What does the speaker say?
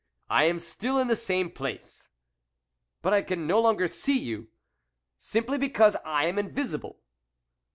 I am still in the same place." " But I can no longer see you !"" Simply because I am invisible."